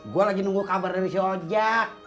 gue lagi nunggu kabar dari sojak